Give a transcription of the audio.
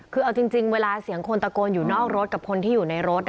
คือเอาจริงเวลาเสียงคนตะโกนอยู่นอกรถกับคนที่อยู่ในรถ